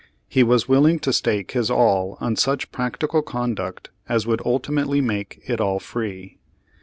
He was willing to stake his all on such practical conduct as would ultimately make it all free.